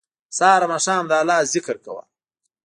سهار او ماښام د الله ج ذکر کوه